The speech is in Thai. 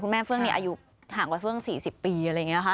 แม่เฟื่องอายุห่างกว่าเฟื่อง๔๐ปีอะไรอย่างนี้ค่ะ